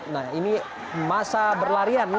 nah ini masa berlangsungnya